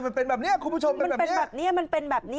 มันเป็นแบบนี้คุณผู้ชม